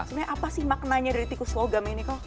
sebenarnya apa sih maknanya dari tikus logam ini kok